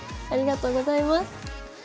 ありがとうございます。